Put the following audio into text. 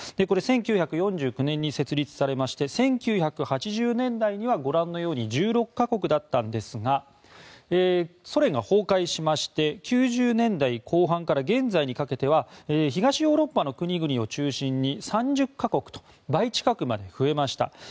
これ１９４９年に設立されまして１９８０年代にはご覧のように１６か国だったんですがソ連が崩壊しまして１９９０年代後半から現在にかけては東ヨーロッパの国々を中心に３０か国と倍近くまで増えました。